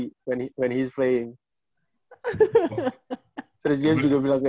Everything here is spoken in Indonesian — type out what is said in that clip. tapi kemarin ini bau kan buat gue bilang ke james itu baru saya lirik nih actually instalasi donde